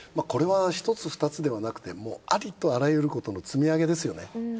これは１つ２つではなくてもうありとあらゆることの積み上げですよね。